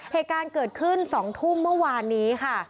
เหตุการณ์เกิดขึ้น๒ทุ่มเมื่อวานนี้ค่ะ